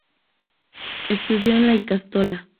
Estudio en la ikastola.